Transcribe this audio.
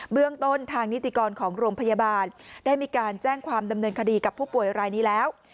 เรื่องต้นทางนิติกรของโรงพยาบาลได้มีการแจ้งความดำเนินคดีกับผู้ป่วยรายนี้แล้ว